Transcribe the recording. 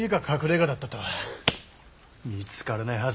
見つからないはずだ。